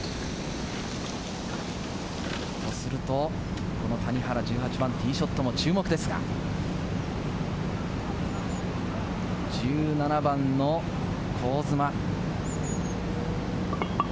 ひょっとすると谷原、１８番、ティーショットも注目ですが、１７番の香妻。